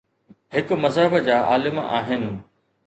هڪ مذهب جا عالم آهن.